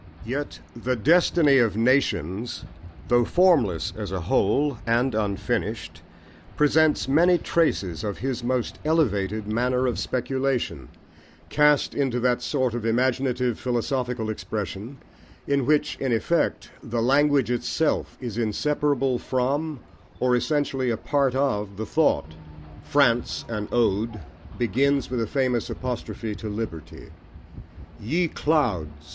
Yet The Destiny of Nations, though formless as a whole, and unfinished, presents many traces of his most elevated manner of speculation, cast into that sort of imaginative philosophical expression, in which, in effect, the language itself is inseparable from, or essentially a part of, the thought. France, an Ode, begins with a famous apostrophe to Liberty Ye Clouds!